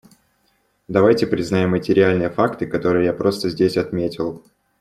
Давайте признаем эти реальные факты, которые я просто здесь отметил.